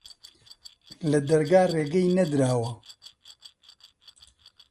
لە دەرگا ڕێگەی نەدراوە.